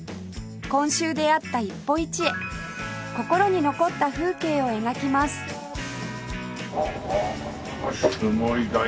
今週出会った一歩一会心に残った風景を描きますはあすごい大胆。